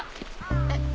えっ？